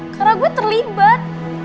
karena gue terlibat